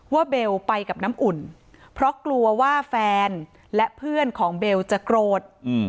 เบลไปกับน้ำอุ่นเพราะกลัวว่าแฟนและเพื่อนของเบลจะโกรธ